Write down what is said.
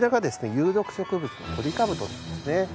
有毒植物のトリカブトですね。